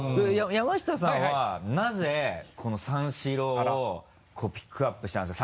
山下さんはなぜこの三四郎をピックアップしたんですか？